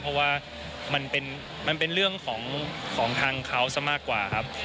เพราะว่ามันเป็นเรื่องของทางเขาซะมากกว่าครับ